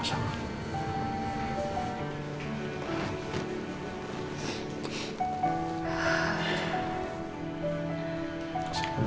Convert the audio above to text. assalamualaikum warahmatullahi wabarakatuh